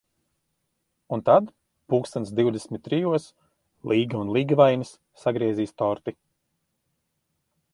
Un tad, pulkstens divdesmit trijos, līgava un līgavainis sagriezīs torti.